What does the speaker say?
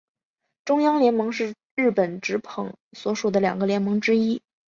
中央联盟是日本职棒所属的两个联盟之一。